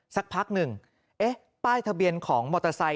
สักพักหนึ่งเอ๊ะป้ายทะเบียนของมอเตอร์ไซค